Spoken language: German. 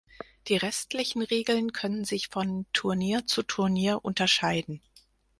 Die restlichen Regeln können sich von Turnier zu Turnier unterscheiden.